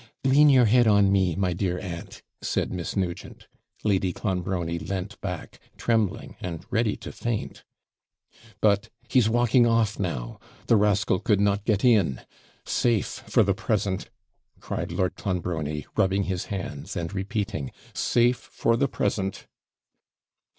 'Lean your head on me, my dear aunt,' said Miss Nugent. Lady Clonbrony leant back, trembling, and ready to faint. 'But he's walking off now; the rascal could not get in safe for the present!' cried Lord Clonbrony, rubbing his hands, and repeating, 'safe for the present!'